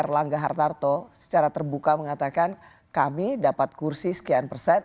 erlangga hartarto secara terbuka mengatakan kami dapat kursi sekian persen